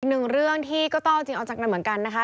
หนึ่งเรื่องที่ก็ต้องเอาจริงเอาจากนั้นเหมือนกันนะคะ